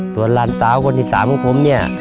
ส่วนล้านเจ้าคนที่สามของผมเนี่ย